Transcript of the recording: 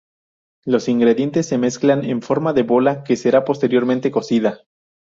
Los ingredientes se mezclan en forma de bola, que será posteriormente cocida.